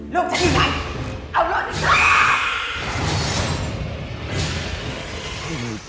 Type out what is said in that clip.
ลูกฉันอย่างนั้นเอาลูกฉัน